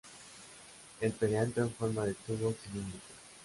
El perianto en forma de tubo cilíndrico.